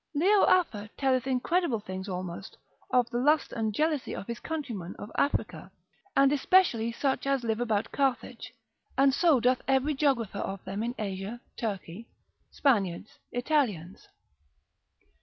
Leo Afer telleth incredible things almost, of the lust and jealousy of his countrymen of Africa, and especially such as live about Carthage, and so doth every geographer of them in Asia, Turkey, Spaniards, Italians.